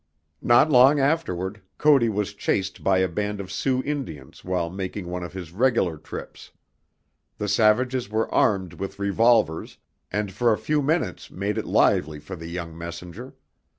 Not long afterward, Cody was chased by a band of Sioux Indians while making one of his regular trips. The savages were armed with revolvers, and for a few minutes made it lively for the young messenger.